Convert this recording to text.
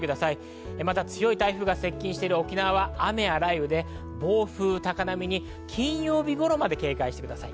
強い台風が接近している沖縄は雨や雷雨で暴風・高波に金曜日頃まで警戒してください。